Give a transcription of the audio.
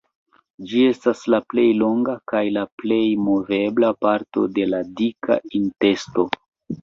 Ĝi estas la plej longa kaj la plej movebla parto de la dika intesto.